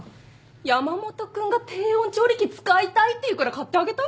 山本君が低温調理器使いたいって言うから買ってあげたのよ。